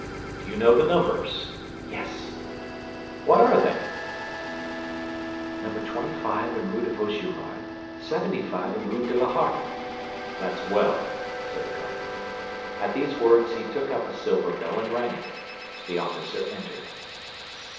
"Do you know the numbers?" "Yes." "What are they?" "No. 25 in the Rue de Vaugirard; 75 in the Rue de la Harpe." "That's well," said the cardinal. At these words he took up a silver bell, and rang it; the officer entered.